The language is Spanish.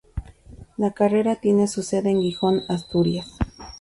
La carrera tiene su sede en Gijón, Asturias.